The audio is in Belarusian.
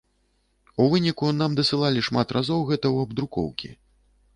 У выніку нам дасылалі шмат разоў гэта ў абдрукоўкі.